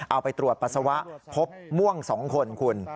เอาไปตรวจปัสสาวะพบม่วง๒คนคุณ